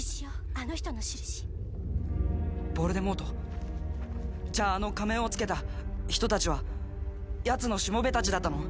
あの人の印ヴォルデモートじゃああの仮面を着けた人達はヤツのしもべ達だったの？